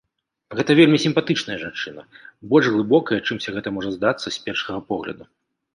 Гэта вельмі сімпатычная жанчына, больш глыбокая, чымся гэта можа здацца з першага погляду.